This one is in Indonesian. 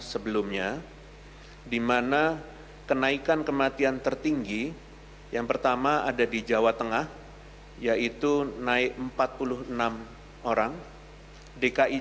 sebelumnya dimana kenaikan kematian tertinggi yang pertama ada di jawa tengah yaitu naik empat puluh enam orang dki